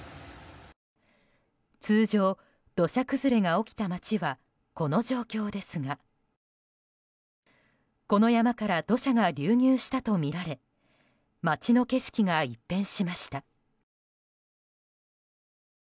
通常、土砂崩れが起きた街はこの状況ですがこの山から土砂が流入したとみられ街の景色が一変しました。